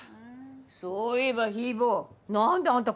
そういえばヒー坊なんであんた